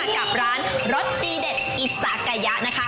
กับร้านรสดีเด็ดอิสากายะนะคะ